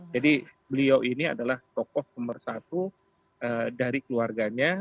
jadi beliau ini adalah tokoh nomor satu dari keluarganya